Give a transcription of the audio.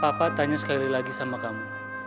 papa tanya sekali lagi sama kamu